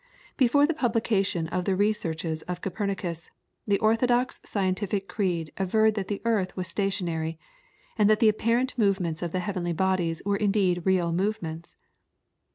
Before the publication of the researches of Copernicus, the orthodox scientific creed averred that the earth was stationary, and that the apparent movements of the heavenly bodies were indeed real movements.